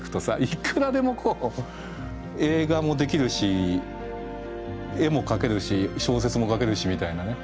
いくらでも映画もできるし絵も描けるし小説も書けるしみたいなね。